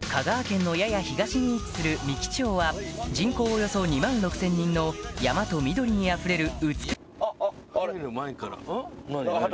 香川県のやや東に位置する三木町は人口およそ２万６０００人の山と緑にあふれる美し何？